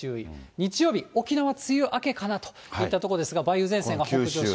日曜日、沖縄、梅雨明けかなといったところですが、梅雨前線が北上します。